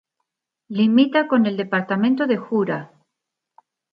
Limita con el departamento de Jura.